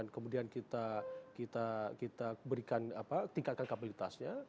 kemudian kita tingkatkan kapalitasnya